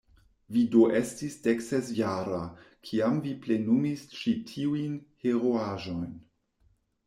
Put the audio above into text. Vi do estis deksesjara, kiam vi plenumis ĉi tiujn heroaĵojn?